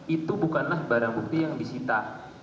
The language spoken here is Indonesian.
itu bukanlah barang bukti yang disita